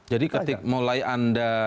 jadi ketika mulai anda